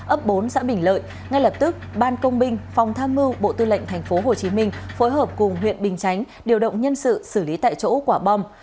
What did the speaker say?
ấp bốn xã bình lợi ngay lập tức ban công binh phòng tham mưu bộ tư lệnh tp hcm phối hợp cùng huyện bình chánh điều động nhân sự xử lý tại chỗ quả bom